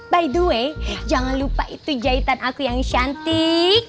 by the way jangan lupa itu jahitan aku yang cantik